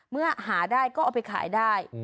เมื่อหาได้ก็เอาไปขายได้